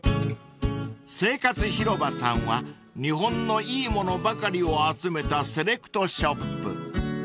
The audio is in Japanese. ［生活広場さんは日本のいいものばかりを集めたセレクトショップ］